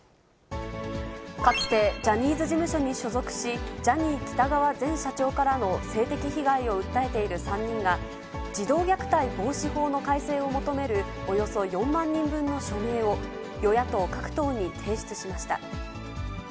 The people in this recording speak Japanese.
かつてジャニーズ事務所に所属し、ジャニー喜多川前社長からの性的被害を訴えている３人が、児童虐待防止法の改正を求めるおよそ４万人分の署名を、与野党各党に提出しました。